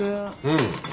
うん。